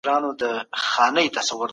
د اسلام تر منلو وروسته، دوی ښه حاکمان سول.